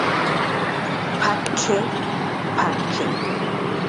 "P'acx""i, p'aki"